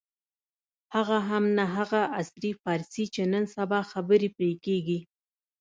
هغه هم نه هغه عصري فارسي چې نن سبا خبرې پرې کېږي.